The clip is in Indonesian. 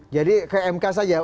jadi ke mk saja